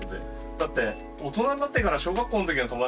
だって大人になってから小学校の時の友達